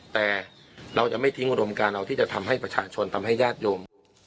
แต่เราจะไม่ทิ้งอุดมการเราที่จะทำให้ประชาชนทำให้ญาติโยม